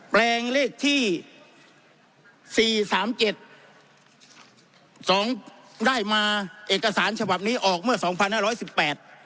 แปลงเลขที่สี่สามเจ็ดสองได้มาเอกสารฉบับนี้ออกเมื่อสองพันห้าร้อยสิบแปด